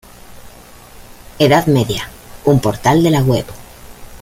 Edad Media", un portal de la web.